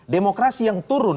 demokrasi yang turun